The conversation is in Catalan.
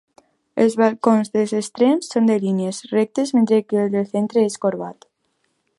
Els balcons dels extrems són de línies rectes mentre que el del centre és corbat.